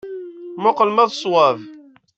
Muqel ma d ṣṣwab.